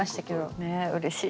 ねうれしい。